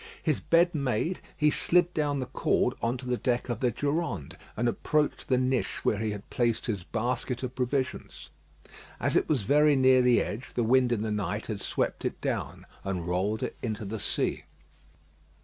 His bed made, he slid down the cord on to the deck of the Durande, and approached the niche where he had placed his basket of provisions. As it was very near the edge, the wind in the night had swept it down, and rolled it into the sea.